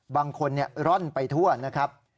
บางคนร่อนไปทั่วนะครับ